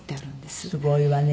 すごいわね。